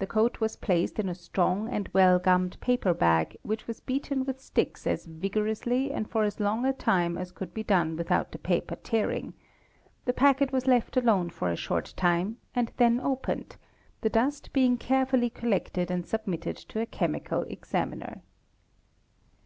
The coat was placed in a strong and well gummed paper bag which was beaten with sticks as vigorously and for as long a time as could be done without the paper tearing; the packet was left alone for a short time and then opened, the dust being carefully collected and submitted te a Chemical Examiner.